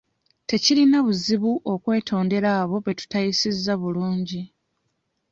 Tekirina buzibu okwetondera abo be tutayisizza bulungi.